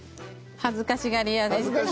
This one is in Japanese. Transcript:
恥ずかしがり屋！